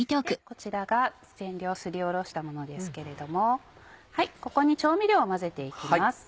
こちらが全量すりおろしたものですけれどもここに調味料を混ぜて行きます。